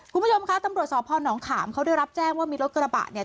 คุณผู้ชมคะตำรวจสพนขามเขาได้รับแจ้งว่ามีรถกระบะเนี่ย